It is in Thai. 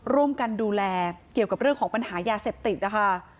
ร่วมกันดูแลเกี่ยวกับเรื่องของปัญหายาเสพติดนะคะ